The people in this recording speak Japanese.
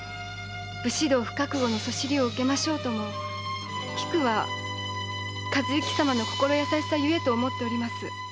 “武士道不覚悟”の謗りを受けましょうと菊は和之様の心優しさゆえと思っております。